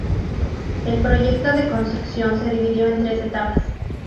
El proyecto de construcción se dividió en tres etapas.